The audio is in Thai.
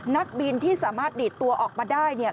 นักบินที่สามารถดีดตัวออกมาได้เนี่ย